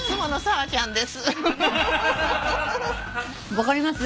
分かります？